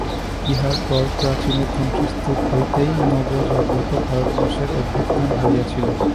ইহার পর প্রাচীনের ধ্বংসস্তূপ হইতেই নবজাগ্রত ভারতবর্ষের অভ্যুত্থান হইয়াছিল।